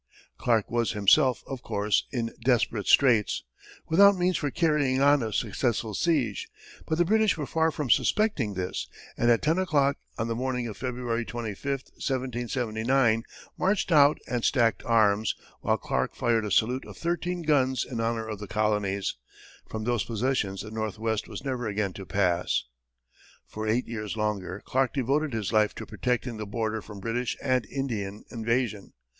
Clark was himself, of course, in desperate straits, without means for carrying on a successful siege, but the British were far from suspecting this, and at ten o'clock on the morning of February 25, 1779, marched out and stacked arms, while Clark fired a salute of thirteen guns in honor of the colonies, from whose possession the Northwest was never again to pass. For eight years longer, Clark devoted his life to protecting the border from British and Indian invasion.